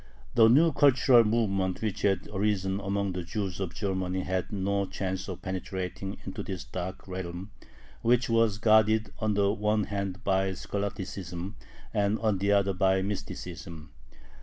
The new cultural movement which had arisen among the Jews of Germany had no chance of penetrating into this dark realm, which was guarded on the one hand by scholasticism and on the other by mysticism.